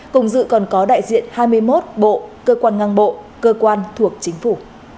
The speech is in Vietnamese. cùng dự còn có đại diện hai mươi một bộ cơ quan ngang bộ cơ quan thuộc chính phủ